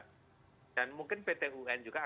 apakah dalam bentuk kepres kita harus mengangkat kepres